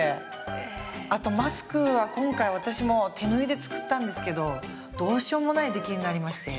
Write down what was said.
あとマスクは今回私も手縫いで作ったんですけどどうしようもない出来になりまして。